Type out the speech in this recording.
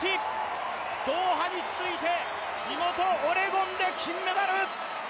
ドーハに続いて地元オレゴンで金メダル。